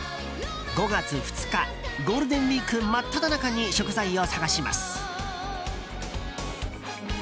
５月２日、ゴールデンウィーク真っただ中に食材を探します。